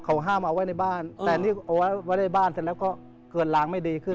เขาห้ามเอาไว้ในบ้านแต่นี่เอาไว้ในบ้านเสร็จแล้วก็เกินล้างไม่ดีขึ้น